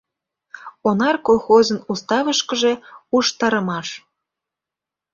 «Онар» колхозын уставышкыже уштарымаш.